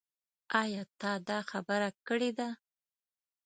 ايا تا دا خبره کړې ده ؟